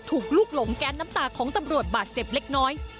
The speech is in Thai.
ลูกหลงแก๊สน้ำตาของตำรวจบาดเจ็บเล็กน้อย